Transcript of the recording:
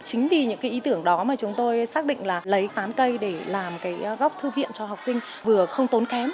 chính vì những ý tưởng đó mà chúng tôi xác định là lấy tán cây để làm cái góc thư viện cho học sinh vừa không tốn kém